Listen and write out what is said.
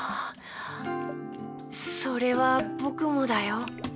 それはぼくもだよ。